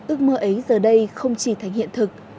ước mơ ấy giờ đây không chỉ thành hiện thực